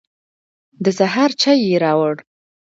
د سهار چای يې راوړ.